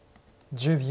１０秒。